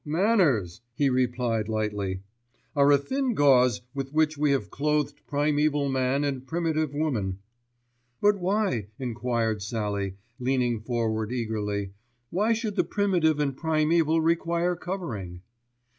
manners," he replied lightly, "are a thin gauze with which we have clothed primæval man and primitive woman." "But why," enquired Sallie, leaning forward eagerly, "why should the primitive and primæval require covering?"